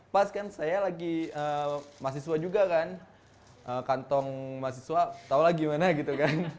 pas kan saya lagi mahasiswa juga kan kantong mahasiswa tau lah gimana gitu kan